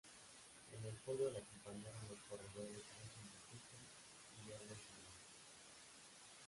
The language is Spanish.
En el podio le acompañaron los corredores Ángel Vicioso y Jordi Simón.